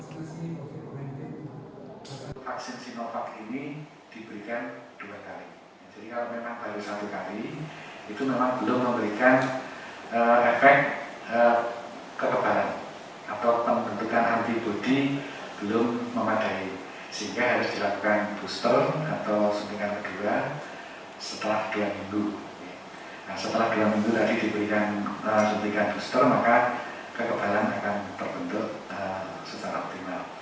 setelah dalam minggu tadi diberikan suntikan booster maka kekebalan akan terbentuk secara optimal